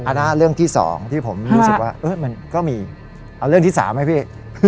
อันนี้เรื่องที่๒ที่ผมรู้สึกว่ามันก็มีเอาเรื่องที่๓ไหมพี่